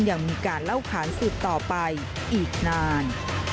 ยังมีการเล่าขานสืบต่อไปอีกนาน